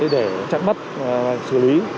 để chặn mắt và xử lý